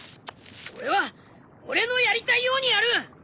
俺は俺のやりたいようにやる。